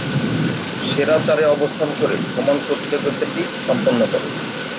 সেরা চারে অবস্থান করে ওমান প্রতিযোগিতাটি সম্পন্ন করে।